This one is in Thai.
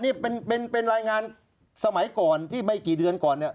นี่เป็นรายงานสมัยก่อนที่ไม่กี่เดือนก่อนเนี่ย